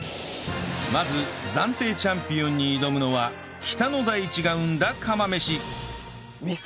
まず暫定チャンピオンに挑むのは北の大地が生んだ釜飯